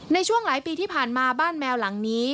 ในช่วงหลายปีที่ผ่านมาบ้านแมวหลังนี้